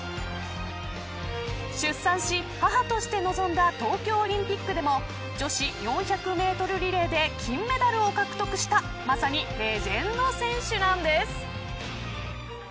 出産し、母として臨んだ東京オリンピックでも女子４００メートルリレーで金メダルを獲得したまさにレジェンド選手なんです。